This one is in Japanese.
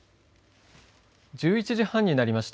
１１時半になりました。